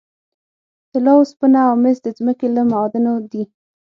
طلا، اوسپنه او مس د ځمکې له معادنو دي.